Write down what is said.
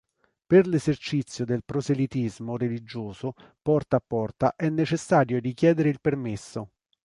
Per l'esercizio del proselitismo religioso porta a porta è necessario richiedere il permesso.